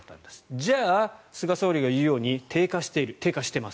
じゃあ、菅総理が言うように低下している低下しています。